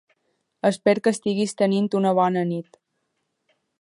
Espero que estiguis tenint una bona nit.